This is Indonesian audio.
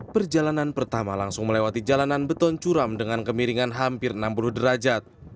perjalanan pertama langsung melewati jalanan beton curam dengan kemiringan hampir enam puluh derajat